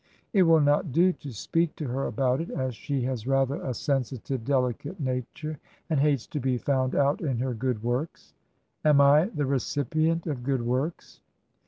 " It will not do to speak to her about it, as she has rather a sensitive, delicate nature, and hates to be found out in her good works." " Am I the recipient of good works